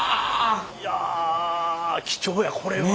いや貴重やこれは。